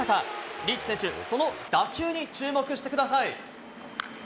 リーチ選手、その打球に注目してください。